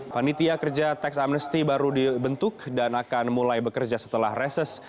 panitia kerja teks amnesty baru dibentuk dan akan mulai bekerja setelah reses